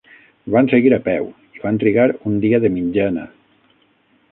Van seguir a peu, i van trigar un dia de mitjana.